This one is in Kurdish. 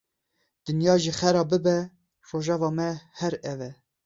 Dinya jî xera bibe, rojeva me her ev e.